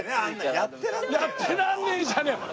やってらんねえじゃねえよ！